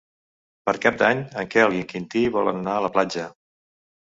Per Cap d'Any en Quel i en Quintí volen anar a la platja.